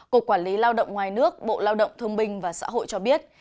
cục quản lý lao động ngoài nước bộ lao động thương binh và xã hội cho biết